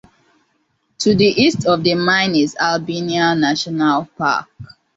To the east of the mine is the Albinia National Park.